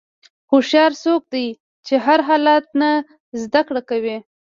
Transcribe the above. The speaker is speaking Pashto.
هوښیار څوک دی چې د هر حالت نه زدهکړه کوي.